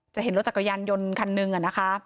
เห็นรถจักรยานยนต์คันหนึ่งนะคะ